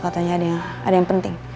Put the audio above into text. katanya ada yang penting